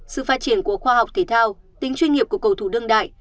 sự phát triển của khoa học thể thao tính chuyên nghiệp của cầu thủ đương đại